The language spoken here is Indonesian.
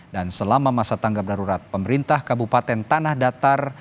dan selama masa tanggap darurat pemerintah kabupaten tanah datar